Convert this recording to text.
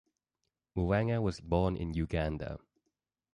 Muwanga was born in Uganda.